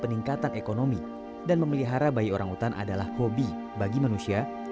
peningkatan ekonomi dan memelihara bayi orangutan adalah hobi bagi manusia